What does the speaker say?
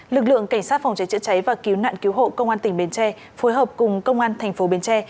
lực lượng cảnh sát phòng chế chữa cháy và cứu nạn cứu hộ công an tỉnh bến tre phối hợp cùng công an tp bến tre